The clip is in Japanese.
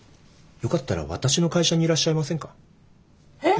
よかったら私の会社にいらっしゃいませんか？